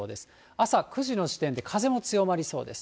朝９時の時点で風も強まりそうです。